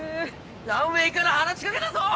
ランウエーから話し掛けたぞ！